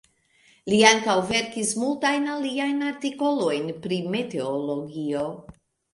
Li ankaŭ verkis multajn aliajn artikolojn pri meteologio.